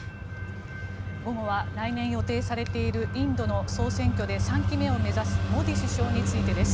午後は来年予定されているインドの総選挙で３期目を目指すモディ首相についてです。